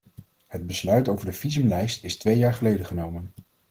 Het besluit over de visumlijst is twee jaar geleden genomen.